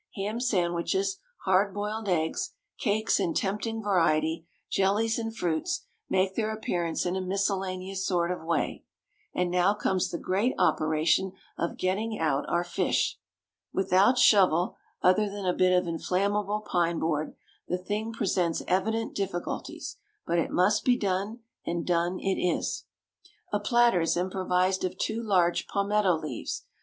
Ham sandwiches, hard boiled eggs, cakes in tempting variety, jellies and fruits, make their appearance in a miscellaneous sort of way. And now comes the great operation of getting out our fish. Without shovel, other than a bit of inflammable pine board, the thing presents evident difficulties: but it must be done; and done it is. A platter is improvised of two large palmetto leaves.